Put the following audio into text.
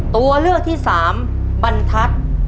ตัวเลือกที่สามบรรทัศน์